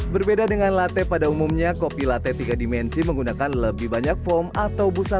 berbeda dengan latte pada umumnya kopi latte tiga dimensi menggunakan lebih banyak foam atau busana